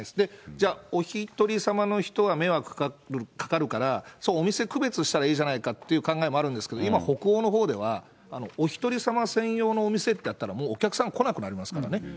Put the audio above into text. じゃあ、お一人様の人は迷惑かかるから、それ、お店区別したらいいじゃないかっていう話あるんですけど、今、北欧のほうでは、お一人様専用のお店ってやったら、お客さん来なくなりますからね。